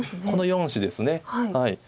この４子です。